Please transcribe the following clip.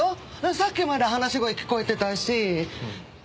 さっきまで話し声聞こえてたし。